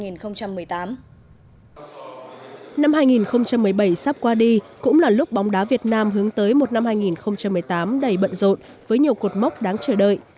năm hai nghìn một mươi bảy sắp qua đi cũng là lúc bóng đá việt nam hướng tới một năm hai nghìn một mươi tám đầy bận rộn với nhiều cột mốc đáng chờ đợi